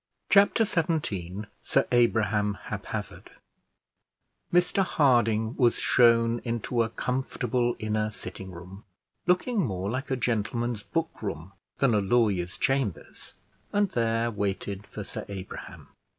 Chapter XVII SIR ABRAHAM HAPHAZARD Mr Harding was shown into a comfortable inner sitting room, looking more like a gentleman's book room than a lawyer's chambers, and there waited for Sir Abraham.